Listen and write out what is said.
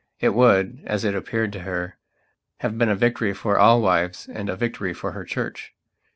It would, as it appeared to her, have been a victory for all wives and a victory for her Church.